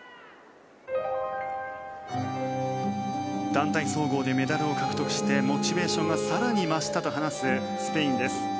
団体総合でメダルを獲得してモチベーションが更に増したと話すスペインです。